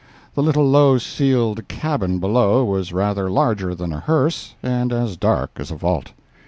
The little low ceiled cabin below was rather larger than a hearse, and as dark as a vault.